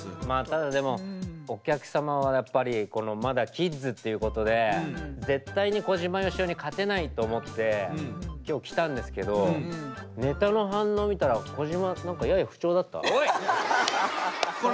まあただでもお客様はやっぱりこのまだキッズっていうことで絶対に小島よしおに勝てないと思って今日来たんですけどネタの反応見たら小島何かやや不調だった？